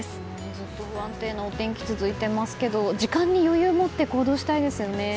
ずっと不安定なお天気が続いていますが時間に余裕を持って行動したいですね。